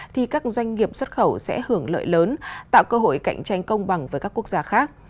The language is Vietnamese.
thì các doanh nghiệp xuất khẩu sẽ hưởng lợi lớn tạo cơ hội cạnh tranh công bằng với các quốc gia khác